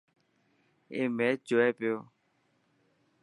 اي ميچ جوئي پيو.